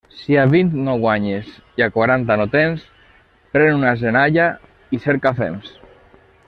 Si a vint no guanyes i a quaranta no tens, pren una senalla i cerca fems.